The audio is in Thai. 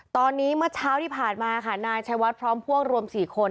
ตอนนี้เมื่อเช้าที่ผ่านมาค่ะนายชัยวัดพร้อมพวกรวม๔คน